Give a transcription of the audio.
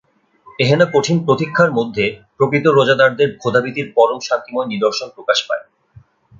এহেন কঠিন প্রতীক্ষার মধ্যে প্রকৃত রোজাদারের খোদাভীতির পরম শান্তিময় নিদর্শন প্রকাশ পায়।